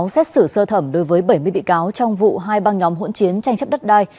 xét xử sơ thẩm đối với bảy mươi bị cáo trong vụ hai bang nhóm hỗn chiến tranh chấp đất đai